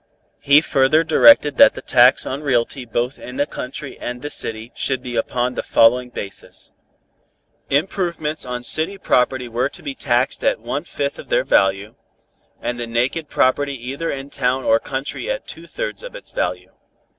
He further directed that the tax on realty both in the country and the city should be upon the following basis: Improvements on city property were to be taxed at one fifth of their value, and the naked property either in town or country at two thirds of its value.